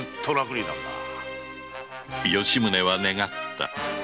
吉宗は願った。